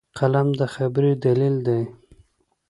قلم د خبرې دلیل دی